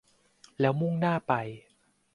แล้วมุ่งหน้าไป